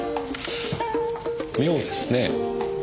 妙ですねぇ。